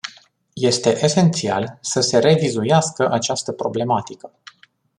Este esențial să se revizuiască această problematică.